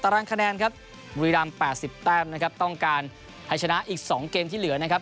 ตารางคะแนนครับบุรีรัมป์แปดสิบแป้มนะครับต้องการให้ชนะอีกสองเกมที่เหลือนะครับ